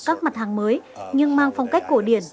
các mặt hàng mới nhưng mang phong cách cổ điển